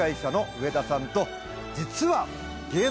上田さんと実は。